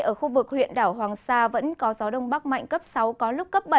ở khu vực huyện đảo hoàng sa vẫn có gió đông bắc mạnh cấp sáu có lúc cấp bảy